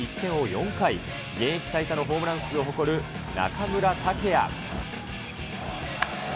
４回、現役最多のホームラン数を誇る中村剛也。